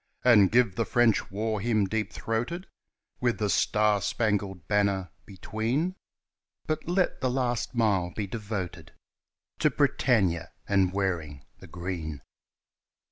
And give the French war hymn deep throated With "The Star Spangled Banner" between, But let the last mile be devoted To "Britannia" and "Wearing the Green."